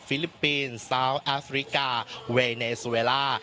ฟิลิปปินส์แซวน์แอฟริกาเวเนสเวลา